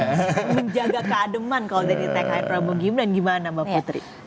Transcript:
menjaga keademan kalau dari tkn prabowo gibran gimana mbak putri